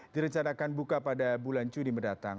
direncanakan buka pada bulan juni mendatang